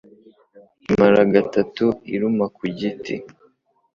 Imara gatatu iruma ku duti